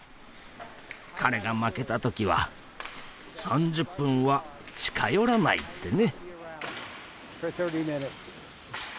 彼が負けた時は３０分は近寄らないってね。